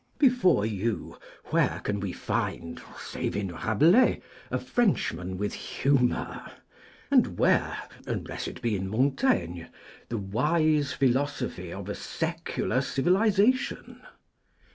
Before you where can we find, save in Rabelais, a Frenchman with humour; and where, unless it be in Montaigne, the wise philosophy of a secular civilisalion?